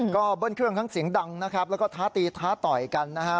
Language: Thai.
ก็เบิ้ลเครื่องทั้งเสียงดังนะครับแล้วก็ท้าตีท้าต่อยกันนะฮะ